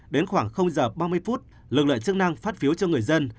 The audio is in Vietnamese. đến khoảng h ba mươi phút lực lượng chức năng phát phiếu cho người dân